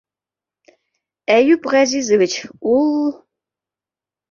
Әйүп Ғәзизович, ул...